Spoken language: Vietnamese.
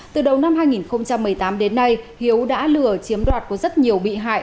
từ đầu năm hai nghìn một mươi tám đến nay hiếu đã lừa chiếm đoạt của rất nhiều bị hại